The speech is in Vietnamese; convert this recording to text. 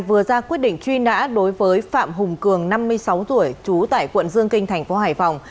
vừa ra quyết định truy nã đối với phạm hùng cường năm mươi sáu tuổi chú tại quận dương kinh tp hải phòng